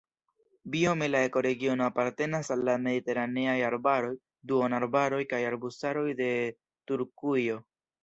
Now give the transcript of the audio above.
Biome la ekoregiono apartenas al la mediteraneaj arbaroj, duonarbaroj kaj arbustaroj de Turkujo.